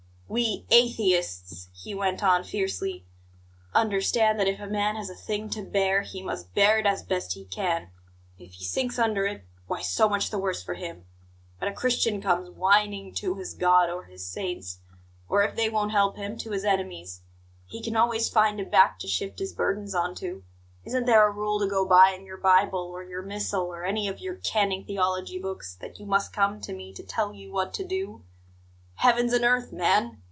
"We atheists," he went on fiercely, "understand that if a man has a thing to bear, he must bear it as best he can; and if he sinks under it why, so much the worse for him. But a Christian comes whining to his God, or his saints; or, if they won't help him, to his enemies he can always find a back to shift his burdens on to. Isn't there a rule to go by in your Bible, or your Missal, or any of your canting theology books, that you must come to me to tell you what to do? Heavens and earth, man!